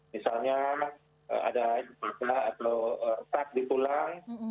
misalnya ada cedera atau sak di tulang